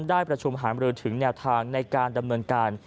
ได้ประชุมหามรือถึงแนวทางในการดำเนินการ